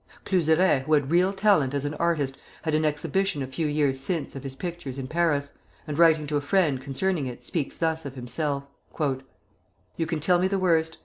Cluseret, who had real talent as an artist, had an exhibition a few years since of his pictures in Paris, and writing to a friend concerning it, speaks thus of himself: [Footnote 1: Le Figaro.] "You can tell me the worst.